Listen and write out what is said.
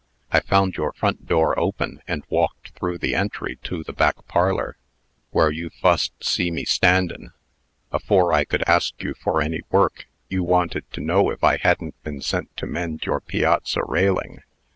I found your front door open, and walked through the entry to the back parlor, where you fust see me standin'. Afore I could ask you for any work, you wanted to know if I hadn't been sent to mend your piazza railing.